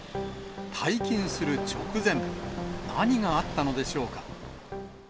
退勤する直前、何があったのでしょうか。